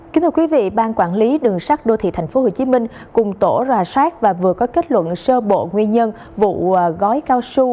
kính thưa quý vị ban quản lý đường sát đô thị tp hcm cùng tổ ròa sát và vừa có kết luận sơ bộ nguyên nhân vụ gói cao sơ